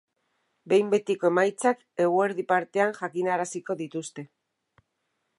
Behin betiko emaitzak eguerdi partean jakinaraziko dituzte.